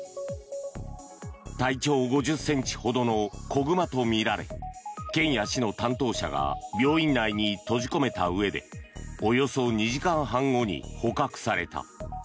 体長５０ｃｍほどの子熊とみられ県や市の担当者が病院内に閉じ込めたうえでおよそ２時間半後に捕獲された。